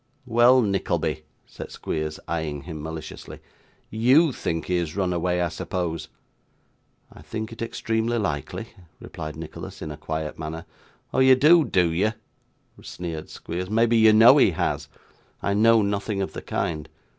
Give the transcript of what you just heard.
'Well, Nickleby,' said Squeers, eyeing him maliciously. 'YOU think he has run away, I suppose?' 'I think it extremely likely,' replied Nicholas, in a quiet manner. 'Oh, you do, do you?' sneered Squeers. 'Maybe you know he has?' 'I know nothing of the kind.